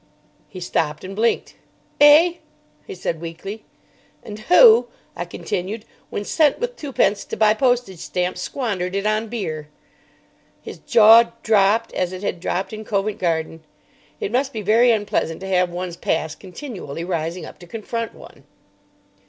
He stopped and blinked. "Eh?" he said weakly. "And who," I continued, "when sent with twopence to buy postage stamps, squandered it on beer?" His jaw dropped, as it had dropped in Covent Garden. It must be very unpleasant to have one's past continually rising up to confront one.